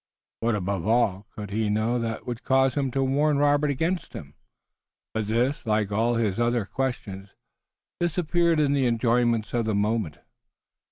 What, above all, could he know that would cause him to warn Robert against him? But this, like all his other questions, disappeared in the enjoyments of the moment.